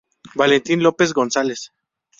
Valentín López González.